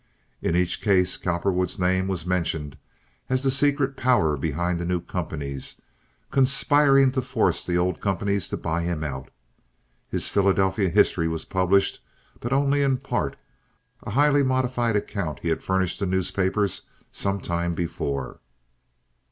In each case Cowperwood's name was mentioned as the secret power behind the new companies, conspiring to force the old companies to buy him out. His Philadelphia history was published, but only in part—a highly modified account he had furnished the newspapers some time before.